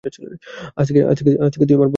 আজ থেকে তুই আমার বস না।